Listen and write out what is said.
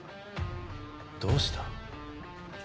どうした？